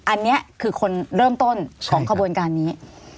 อันนี้คือคนเริ่มต้นของขบวนการนี้